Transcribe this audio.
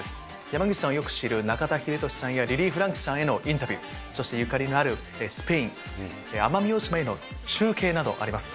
山口さんをよく知る中田英寿さんやリリー・フランキーさんへのインタビュー、そしてゆかりのあるスペイン、奄美大島への中継などあります。